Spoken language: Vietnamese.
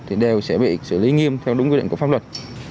thì đều sẽ bị xử lý nghiêm theo đúng quy định của pháp luật